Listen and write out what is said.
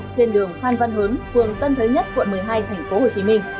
trên đường phan văn hớn phường tân thới nhất quận một mươi hai tp hcm